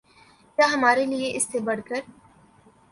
کیا ہمارے لیے اس سے بڑھ کر